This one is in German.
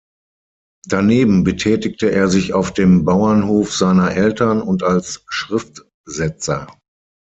Daneben betätigte er sich auf dem Bauernhof seiner Eltern und als Schriftsetzer.